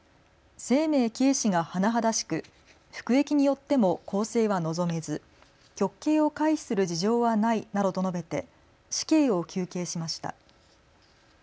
生命軽視が甚だしく服役によっても更生は望めず極刑を回避する事情はないなどと述べて死刑を求刑しました。